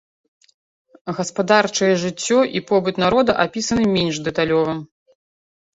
Гаспадарчае жыццё і побыт народа апісаны менш дэталёва.